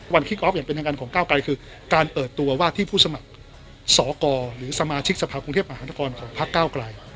คลิกออฟอย่างเป็นทางการของก้าวไกลคือการเปิดตัวว่าที่ผู้สมัครสกหรือสมาชิกสภาคกรุงเทพมหานครของพักเก้าไกล